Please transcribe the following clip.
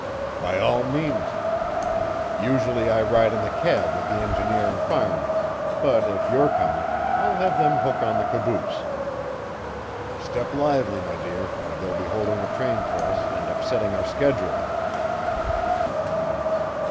"By all means. Usually I ride in the cab with the engineer and fireman; but if you're coming, I'll have them hook on the caboose. Step lively, my dear, or they'll be holding the train for us and upsetting our schedule."